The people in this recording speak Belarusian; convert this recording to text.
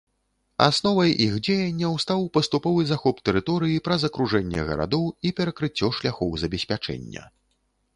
Асновай іх дзеянняў стаў паступовы захоп тэрыторыі праз акружэнне гарадоў і перакрыццё шляхоў забеспячэння.